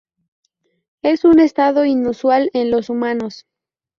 Es un estado inusual en los humanos.